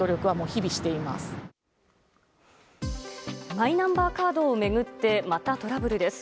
マイナンバーカードを巡ってまたトラブルです。